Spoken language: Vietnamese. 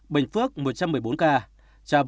bến tre sáu mươi bốn ca khánh hòa sáu mươi tám ca